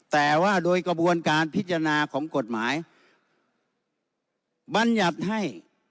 แต่ว่าโดยกระบวนการพิจารณาของกฎหมายบรรยัติให้